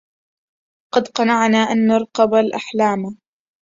قد قنعنا أن نرقب الأحلاما